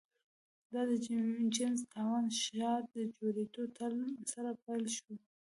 دا د جېمز ټاون ښار جوړېدو سره پیل شو.